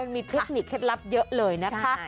มีเทคนิคเคล็ดลับเยอะเลยนะคะ